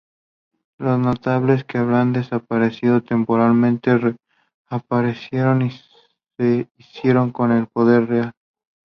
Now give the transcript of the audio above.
Los notables que habían desaparecido temporalmente reaparecieron y se hicieron con el poder real.